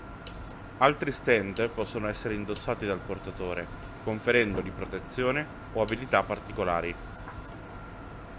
Altri Stand possono essere indossati dal portatore, conferendogli protezione o abilità particolari.